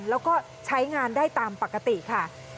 แล้วก็ใช้งานได้ตามปกติค่ะ